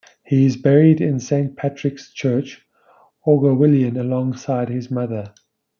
He is buried in Saint Patrick's Church Aughawillan alongside his mother.